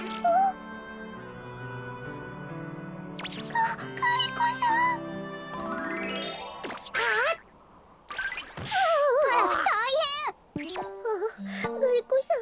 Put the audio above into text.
ああガリ子さん